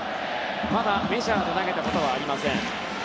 まだメジャーで投げたことはありません。